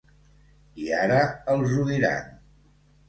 I ara els ho diran.